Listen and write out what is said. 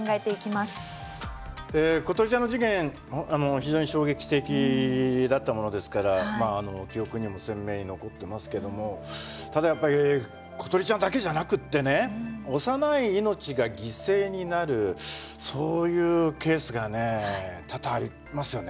非常に衝撃的だったものですから記憶にも鮮明に残ってますけどもただやっぱり詩梨ちゃんだけじゃなくってね幼い命が犠牲になるそういうケースがね多々ありますよね